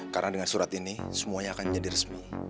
karena dengan surat ini semuanya akan jadi resmi